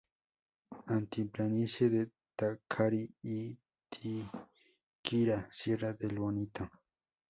Altiplanicie de Taquari-Itiquira, Sierra del Bonito